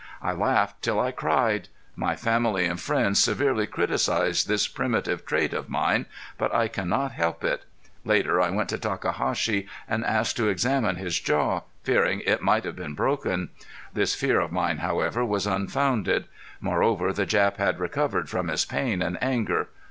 I laughed till I cried. My family and friends severely criticise this primitive trait of mine, but I can not help it. Later I went to Takahashi and asked to examine his jaw, fearing it might have been broken. This fear of mine, however, was unfounded. Moreover the Jap had recovered from his pain and anger.